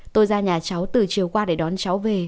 tôi ra nhà cháu từ chiều qua để đón cháu về